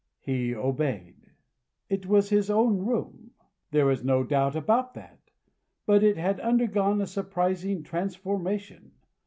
He obeyed. It was his own room. There was no doubt about that. But it had undergone a surprising transformation.